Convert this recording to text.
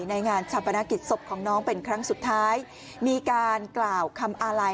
งานชาปนกิจศพของน้องเป็นครั้งสุดท้ายมีการกล่าวคำอาลัย